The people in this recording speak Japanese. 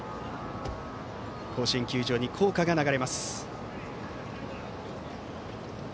甲子園球場に校歌が流れます。